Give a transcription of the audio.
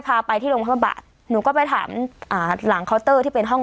พาไปที่โรงบ้านพระบาทหนูก็ไปถามอ่าหลังที่เป็นห้อง